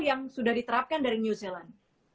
yang sudah diterapkan dari new zealand